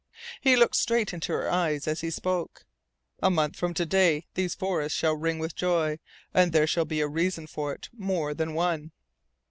He looked straight into her eyes as he spoke. "A month from to day these forests shall ring with our joy. And there will be a reason for it MORE THAN ONE!"